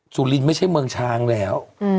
สุรินทร์ไม่ใช่เมืองช้างแล้ว